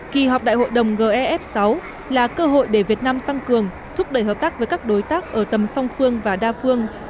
kỳ họp đại hội đồng gef sáu là cơ hội để việt nam tăng cường thúc đẩy hợp tác với các đối tác ở tầm song phương và đa phương